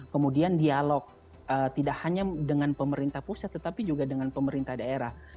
kemudian dialog tidak hanya dengan pemerintah pusat tetapi juga dengan pemerintah daerah